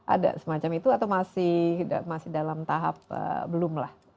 ada semacam itu atau masih dalam tahap belum lah